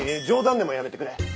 冗談でもやめてくれ。